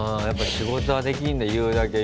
やっぱり仕事はできるんだ。